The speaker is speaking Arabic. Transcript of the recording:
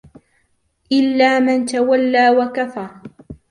إلا من تولى وكفر